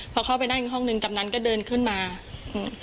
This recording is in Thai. พอเข้าไปนั่งอีกห้องหนึ่งกำนันก็เดินขึ้นมาอืม